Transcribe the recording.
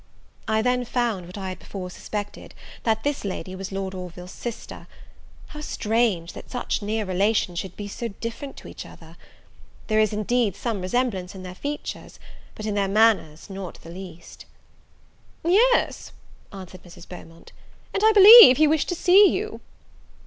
I then found, what I had before suspected, that this lady was Lord Orville's sister: how strange, that such near relations should be so different to each other! There is, indeed, some resemblance in their features; but, in their manners, not the least. "Yes," answered Mrs. Beaumont, "and I believe he wished to see you."